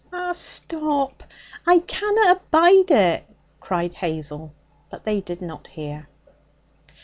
'Eh, stop! I canna abide it!' cried Hazel; but they did not hear.